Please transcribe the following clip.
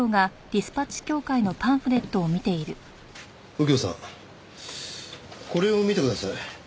右京さんこれを見てください。